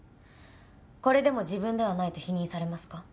これでも自分ではないと否認されますか？